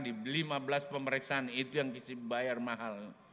di lima belas pemeriksaan itu yang isi bayar mahal